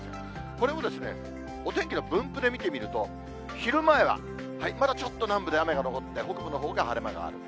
これをお天気の分布で見てみると、昼前はまだちょっと南部で雨が残って、北部のほうが晴れ間がある。